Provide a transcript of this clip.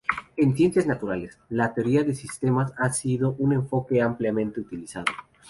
En ciencias naturales, la teoría de sistemas ha sido un enfoque ampliamente utilizado.